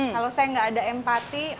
kalau saya nggak ada empati